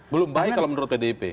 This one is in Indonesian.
belum baik kalau menurut pdip